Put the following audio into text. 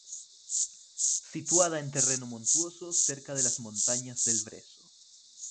Situada en terreno montuoso, cerca de las montañas del Brezo.